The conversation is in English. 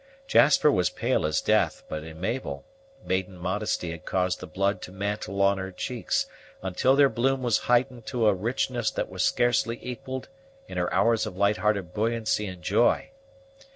Jasper was pale as death, but, in Mabel, maiden modesty had caused the blood to mantle on her cheeks, until their bloom was heightened to a richness that was scarcely equalled in her hours of light hearted buoyancy and joy.